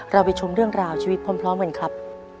เราไปชมเรื่องราวชีวิตพร้อมกันครับ